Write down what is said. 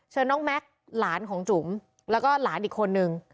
น้องแม็กซ์หลานของจุ๋มแล้วก็หลานอีกคนนึง